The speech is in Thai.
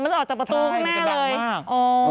มันจะออกจากประตูให้แม่เลยใช่มันจะดังมาก